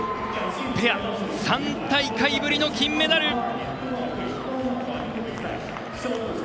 ペア、３大会ぶりの金メダル！